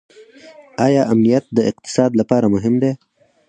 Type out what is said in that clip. آیا امنیت د اقتصاد لپاره مهم دی؟